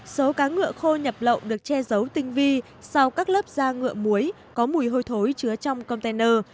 số cá ngựa khô nhập lậu được che giấu tinh vi sau các lớp da ngựa muối có mùi hôi thối chứa trong container